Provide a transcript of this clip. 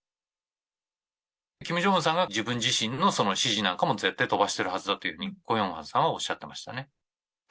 キム・ジョンウンさんが自分自身の指示なんかも絶対飛ばしているはずだというふうに、コ・ヨンファンさんはおっしゃってましたね。